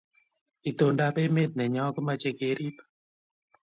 Itondab emeet nenyoo ko mochei keriib